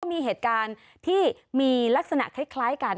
มีเหตุการณ์ที่มีลักษณะคล้ายกัน